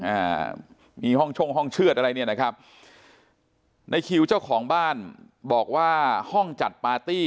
อ่ามีห้องช่งห้องเชือดอะไรเนี่ยนะครับในคิวเจ้าของบ้านบอกว่าห้องจัดปาร์ตี้